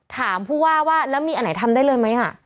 ผู้ว่าว่าแล้วมีอันไหนทำได้เลยไหม